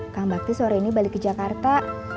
kang bakti sore ini balik ke jakarta